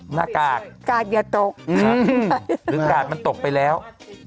หน้ากากกาดอย่าตกหรือกาดมันตกไปแล้ว